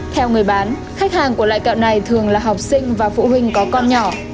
theo người bán khách hàng của loại kẹo này thường là học sinh và phụ huynh có con nhỏ